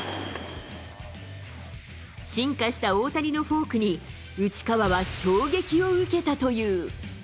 進化した大谷のフォークに、内川は衝撃を受けたという。